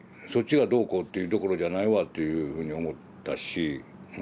そっちがどうこうというところじゃないわというふうに思ったし。